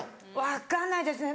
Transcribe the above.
分かんないですね。